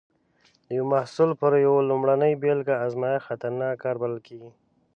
د یو محصول پر یوه لومړنۍ بېلګه ازمېښت خطرناک کار بلل کېږي.